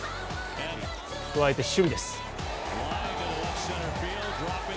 加えて守備です。